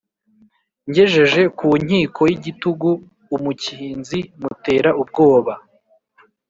Ngejeje ku nkiko y’igitugu, umukinzi mutera ubwoba.